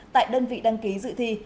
tại đơn vị đăng ký dự thi